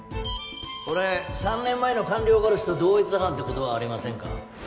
これ３年前の官僚殺しと同一犯ってことはありませんか？